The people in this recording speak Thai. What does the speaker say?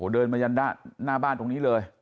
เดินมายันหน้าบ้านตรงนี้เลย